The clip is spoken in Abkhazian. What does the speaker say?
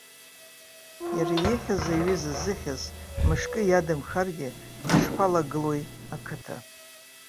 Иара ихьыз аҩыза зыхьыз, мышкы иадамхаргьы, дышԥалагылои ақыҭа.